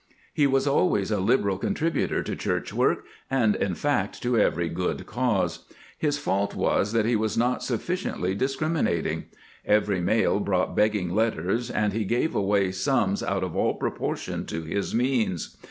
He was always a liberal contributor to church work, and in fact to every good cause. His fault was that he was not suflBciently discriminating. 496 CAMPAIGNING WITH GRANT Every mail brought Ijegging letters, and he gave away sums out of aU. proportion to his means.